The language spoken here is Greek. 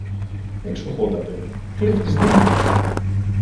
Εξοχότατε, κλέφτης δεν είμαι.